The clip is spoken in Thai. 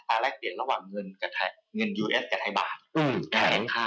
อัตราแรกเปลี่ยนระหว่างเงินยูเอสกับไทยบาท